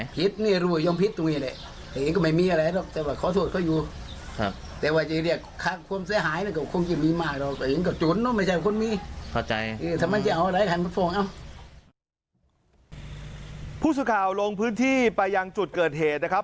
ผู้สื่อข่าวลงพื้นที่ไปยังจุดเกิดเหตุนะครับ